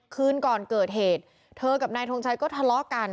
คืนก่อนเกิดเหตุเธอกับนายทงชัยก็ทะเลาะกัน